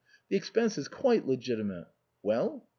The expense is quite legitimate. Well